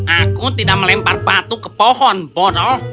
aku tidak melempar batu ke pohon bodoh